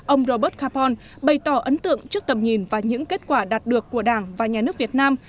ông robert capon bày tỏ ấn tượng trước tầm nhìn và những kết quả đạt được của đảng và nhà nước việt nam